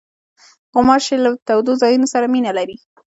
غوماشې له تودو ځایونو سره مینه لري.